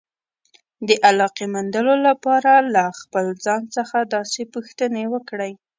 د علاقې موندلو لپاره له خپل ځان څخه داسې پوښتنې وکړئ.